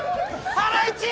ハライチ！